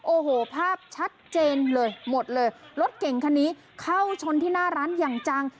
โอ้โหภาพชัดเจนเลยหมดเลยรถเก่งคันนี้เข้าชนที่หน้าร้านอย่างจัง